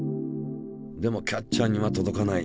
でもキャッチャーには届かない。